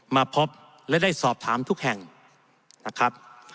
มาพบและได้สอบถามทุกแห่งนะครับ